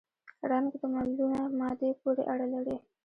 رنګ د ملونه مادې پورې اړه لري.